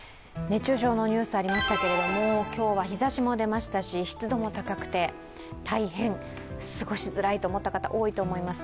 熱中症のニュース、ありましたけれども、今日は日ざしも出ましたし湿度も高くて大変過ごしづらいと思った方、多いと思います。